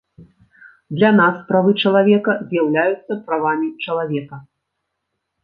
Для нас правы чалавека з'яўляюцца правамі чалавека.